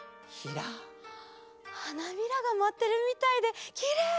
はなびらがまってるみたいできれい！